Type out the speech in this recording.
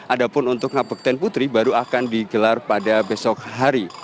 ada pun untuk ngabekten putri baru akan digelar pada besok hari